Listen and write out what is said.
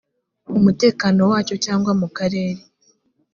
umutekano wacyo cyangwa mu karere